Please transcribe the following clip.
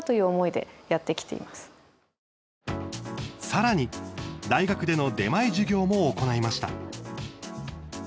さらに大学での出前授業も行いました。